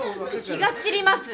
気が散ります！